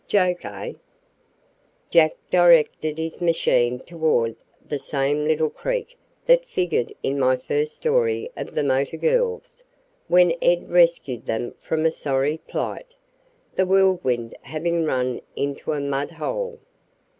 Joke, eh?" Jack directed his machine toward the same little creek that figured in my first story of the motor girls, when Ed rescued them from a sorry plight, the Whirlwind having run into a mudhole.